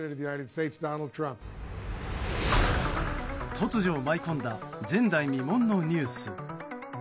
突如、舞い込んだ前代未聞のニュース。